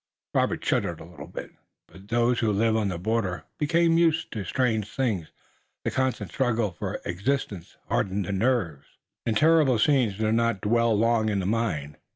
Robert shuddered a little, but those who lived on the border became used to strange things. The constant struggle for existence hardened the nerves, and terrible scenes did not dwell long in the mind.